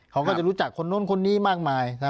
เขาก็จะรู้จักคนนู้นคนนี้มากมายนะ